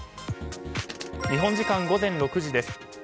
日本時間午前６時です。